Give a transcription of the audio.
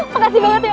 makasih banget ya